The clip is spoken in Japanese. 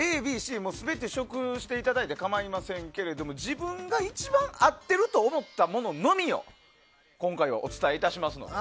Ａ、Ｂ、Ｃ全て試食していただいて構いませんけど自分が一番合ってると思ったもののみを今回はお伝えいたしますので。